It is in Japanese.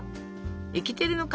できてるのか？